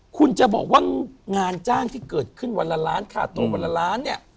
คุณจะบอกว่างานจ้างที่เกิดขึ้นวันละล้านค่าตัววันละล้านเนี่ย